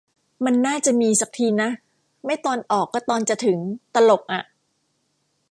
มันน่าจะมี สักทีนะ ไม่ตอนออกก็ตอนจะถึง ตลกอะ